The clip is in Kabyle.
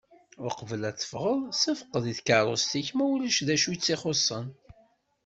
Uqbel ad tefɣeḍ sefqed i tkerrust-ik ma ulac d acu i tt-ixuṣṣen.